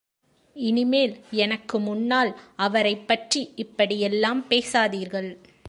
இனிமேல் எனக்கு முன்னால் அவரைப்பற்றி இப்படியெல்லாம் பேசாதீர்கள்.